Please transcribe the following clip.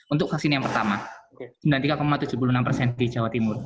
untuk vaksin yang pertama sembilan puluh tiga tujuh puluh enam persen di jawa timur